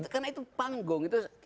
karena itu panggung